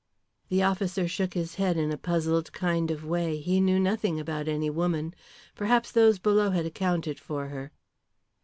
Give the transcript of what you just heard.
The officer shook his head in a puzzled kind of way. He knew nothing about any woman. Perhaps those below had accounted for her.